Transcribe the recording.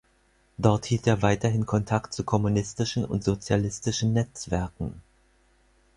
Dort hielt er weiterhin Kontakt zu kommunistischen und sozialistischen Netzwerken.